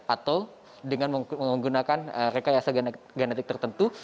atau dengan menggunakan rekayasa genetik tertentu